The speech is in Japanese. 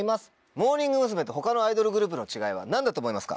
モーニング娘。と他のアイドルグループの違いは何だと思いますか？